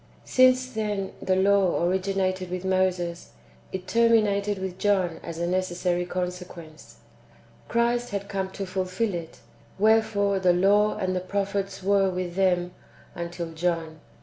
2. Since, then, the law originated with Moses, it terminated with John as a necessary consequence. Christ had come to fulfil it : wherefore " the law and the prophets were" with them ^' until John."